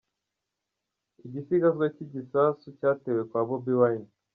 Igisigazwa cy’igisasu cyatewe kwa Bobi Wine